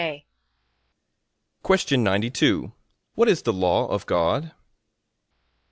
A.